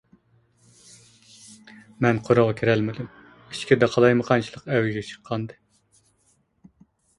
مەن قورۇغا كىرەلمىدىم، ئىچكىرىدە قالايمىقانچىلىق ئەۋجىگە چىققانىدى.